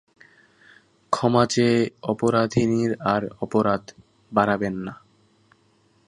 ক্ষমা চেয়ে অপরাধিনীদের আর অপরাধ বাড়াবেন না।